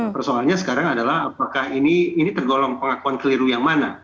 persoalannya sekarang adalah apakah ini tergolong pengakuan keliru yang mana